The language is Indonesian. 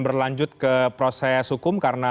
berlanjut ke proses hukum karena